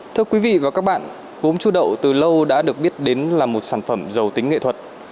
thưa quý vị và các bạn gốm chú đậu từ lâu đã được biết đến là một sản phẩm giàu tính nghệ thuật